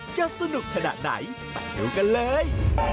จะสนุกขนาดไหนไปดูกันเลย